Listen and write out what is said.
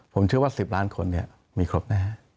ผมเชื่อว่าสิบล้านคนเนี่ยมีครบนะครับ